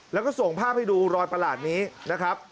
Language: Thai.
แล้วก็ส่งภาพให้ดูรอยประหลาดนี้นะครับ